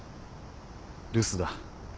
留守だ。